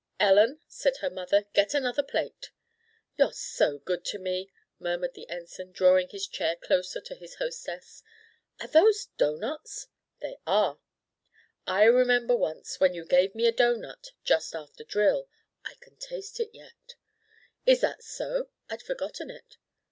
"Ellen," said her mother, "get another plate." "You're so good to me," murmured the Ensign, drawing his chair closer to his hostess. "Are those doughnuts?" "They are." "I remember once, when you gave me a doughnut, just after drill. I can taste it yet." "Is that so? I'd forgotten it."